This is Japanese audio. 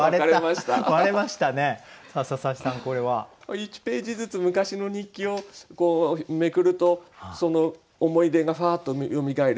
１ページずつ昔の日記をめくるとその思い出がふわっとよみがえる。